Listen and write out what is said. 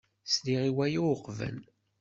Sliɣ i waya uqbel.